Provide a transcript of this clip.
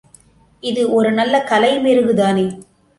இது ஒரு நல்ல கலை மெருகுதானே?